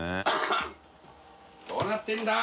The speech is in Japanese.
どうなってるんだ？